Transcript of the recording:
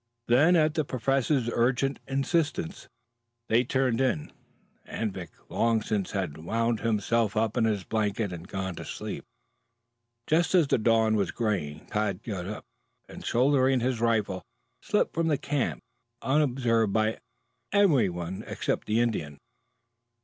Then, at the Professor's urgent insistence, they turned in. Anvik long since had wound himself up in his blanket and gone to sleep. Just as the dawn was graying, Tad got up, and shouldering his rifle slipped from the camp unobserved by anyone except the Indian.